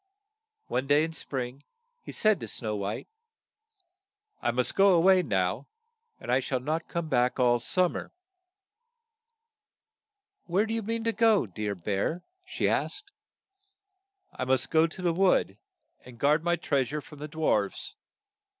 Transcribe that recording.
One day in spring, he said to Snow White, "I must go a way now, and I shall not come back all sum mer." ,'>;.,. .1 SNOW WHITE AND KVA> ROSE 31 'Where do you mean to go, dear bear?" she asked. "I must go to the woods, and guard my treas ures from the dwarfs.